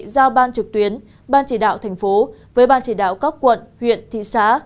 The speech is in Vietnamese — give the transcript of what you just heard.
giao ban trực tuyến ban chỉ đạo thành phố với ban chỉ đạo các quận huyện thị xã